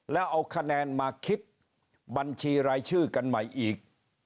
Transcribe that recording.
แล้วเอาคะแนนมาคิดบัญชีรายชื่อกันใหม่อีก